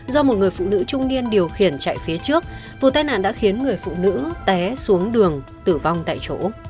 do một người phụ nữ trung niên điều khiển chạy phía trước vụ tai nạn đã khiến người phụ nữ té xuống đường tử vong tại chỗ